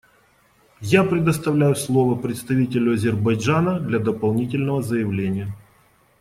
Я предоставляю слово представителю Азербайджана для дополнительного заявления.